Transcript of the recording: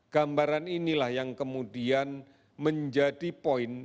gambaran inilah yang kemudian menjadi poin